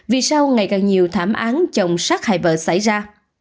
vì sao ngày càng nhiều thảm án chồng sát hại vợ xảy ra